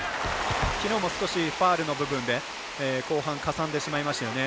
きのうもファウルの部分で後半、かさんでしまいましたよね。